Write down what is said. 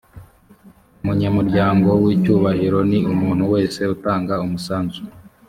umunyamuryango w’ icyubahiro ni umuntu wese utanga umusanzu.